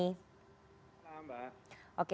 selamat malam mbak